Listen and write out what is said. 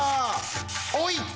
おい！